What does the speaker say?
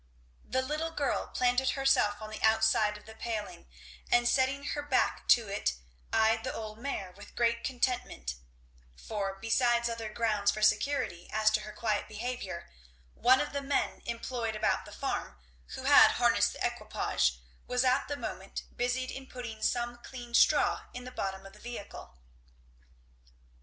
The little girl planted herself on the outside of the paling and setting her back to it eyed the old mare with great contentment; for besides other grounds for security as to her quiet behaviour, one of the men employed about the farm, who had harnessed the equipage, was at the moment busied in putting some clean straw in the bottom of the vehicle.